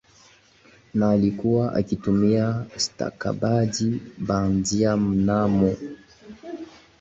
na alikuwa akitumia stakabadhi bandiaMnamo